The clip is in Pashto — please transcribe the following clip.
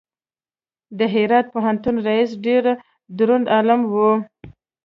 د هرات پوهنتون رئیس ډېر دروند عالم و.